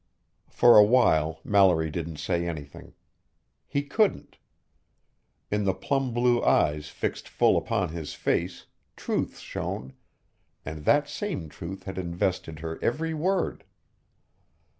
For a while, Mallory didn't say anything. He couldn't. In the plum blue eyes fixed full upon his face, truth shone, and that same truth had invested her every word.